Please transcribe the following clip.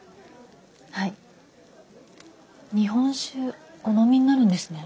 日本酒お飲みになるんですね。